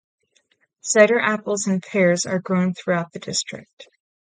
Cider-apples and pears are grown throughout the district.